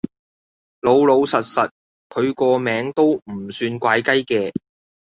老老實實，佢個名都唔算怪雞嘅